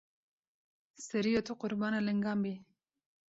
Seriyo tu qurbana lingan bî.